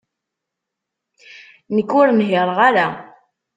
Nekk ur nhiṛeɣ ara.